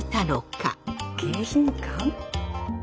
迎賓館？